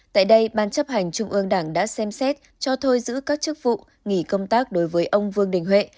tại đây ban chấp hành trung ương đảng đã xem xét cho thôi giữ các chức vụ nghỉ công tác đối với ông vương đình huệ